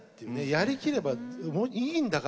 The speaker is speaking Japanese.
やりきればいいんだから。